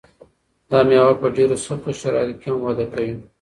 دا مېوه په ډېرو سختو شرایطو کې هم وده کوي.